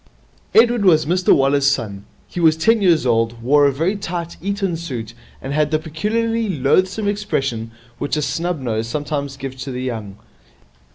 Edward was Mr Waller's son. He was ten years old, wore a very tight Eton suit, and had the peculiarly loathsome expression which a snub nose sometimes gives to the young.